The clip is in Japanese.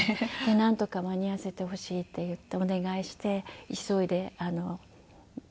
なんとか間に合わせてほしいって言ってお願いして急いで用意してくださって。